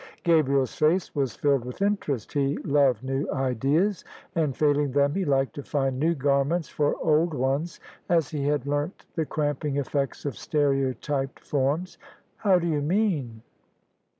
Gabriel's face was filled with interest: he loved new ideas; and, failing them, he liked to find new garments for old ones, as he had learnt the cramping effects of stereotyped forms. " How do you mean